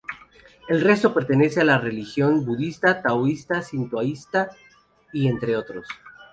El resto pertenece a la religión budista, taoísta, sintoísta, y entre otros.